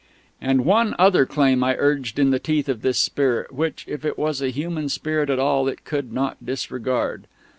And one other claim I urged in the teeth of this Spirit, which, if it was a human Spirit at all, it could not disregard.